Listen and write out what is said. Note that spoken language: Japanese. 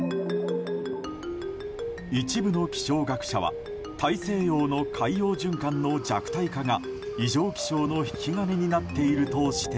一部の気象学者は大西洋の海洋循環の弱体化が異常気象の引き金になっていると指摘。